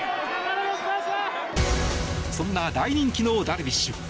そんな大人気のダルビッシュ。